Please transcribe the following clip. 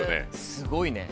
すごいね。